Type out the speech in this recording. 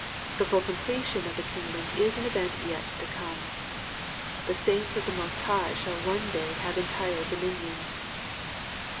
The full completion of the kingdom is an event yet to come. The saints of the Most High shall one day have entire dominion.